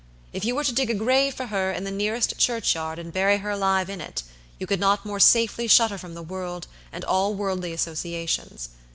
If you were to dig a grave for her in the nearest churchyard and bury her alive in it, you could not more safely shut her from the world and all worldly associations.